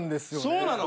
そうなの？